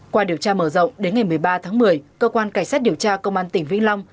qua điều tra mở rộng đến ngày một mươi ba tháng một mươi cơ quan cảnh sát điều tra công an tỉnh vĩnh long